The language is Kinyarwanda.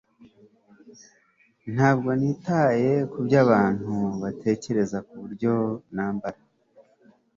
ntabwo nitaye kubyo abantu batekereza kuburyo nambara